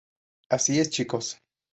Así es, chicos.